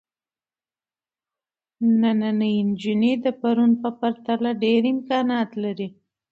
نننۍ نجونې د پرون په پرتله ډېر امکانات لري.